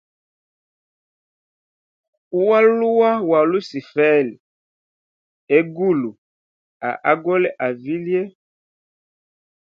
Ualua wa lusifeli, egulu a agole a vilye.